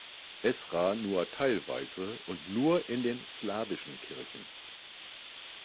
Esra nur teilweise und nur in den slawischen Kirchen.